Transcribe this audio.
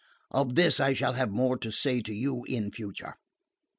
Of this I shall have more to say to you in future.